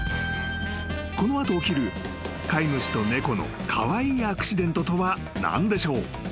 ［この後起きる飼い主と猫のカワイイアクシデントとは何でしょう？］